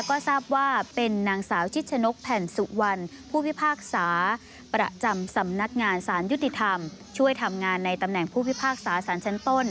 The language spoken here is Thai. ก็ทราบว่าเป็นนางสาวชิดชนกแผ่นสุวรรณผู้พิพากษาประจำสำนักงานสารยุติธรรมช่วยทำงานในตำแหน่งผู้พิพากษาสารชั้นต้น